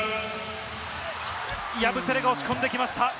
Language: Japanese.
ヤブセレが押し込んできました。